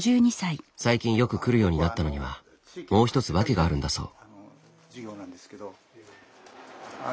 最近よく来るようになったのにはもう一つ訳があるんだそう。